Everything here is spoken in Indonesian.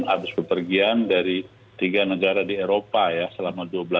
habis kepergian dari tiga negara di eropa ya selama dua belas tahun